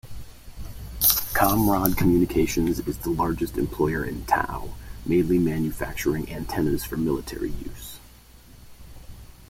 Comrod Communications is the largest employer in Tau, mainly manufacturing antennaes for military use.